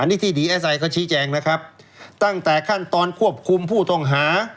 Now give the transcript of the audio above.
อันนี้ที่ดีเอสไอเขาชี้แจงนะครับตั้งแต่ขั้นตอนควบคุมผู้ต้องหา